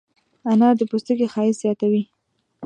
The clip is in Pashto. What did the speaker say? انار د پوستکي ښایست زیاتوي.